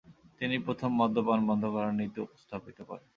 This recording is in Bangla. তিনিই প্রথম মদ্যপান বন্ধ করার নীতি উপস্থাপিত করেন।